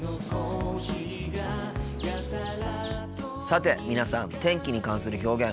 さて皆さん天気に関する表現